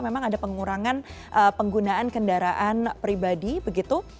memang ada pengurangan penggunaan kendaraan pribadi begitu